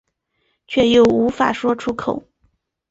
却又无法说出口